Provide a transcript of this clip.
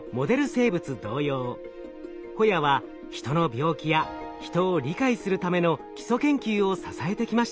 生物同様ホヤはヒトの病気やヒトを理解するための基礎研究を支えてきました。